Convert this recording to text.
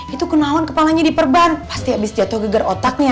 itu kenalan kepalanya diperban pasti abis jatuh gegar otaknya